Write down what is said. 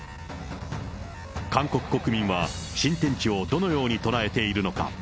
韓国国民は、新天地をどのように捉えているのか。